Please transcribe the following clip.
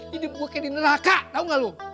hidup gua kayak di neraka tau gak lu